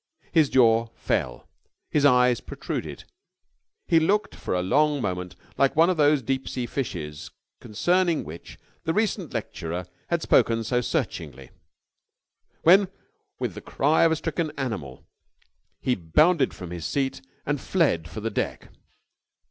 His jaw fell. His eyes protruded. He looked for a long moment like one of those deep sea fishes concerning which the recent lecturer had spoken so searchingly. Then with the cry of a stricken animal, he bounded from his seat and fled for the deck.